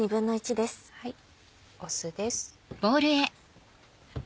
酢です。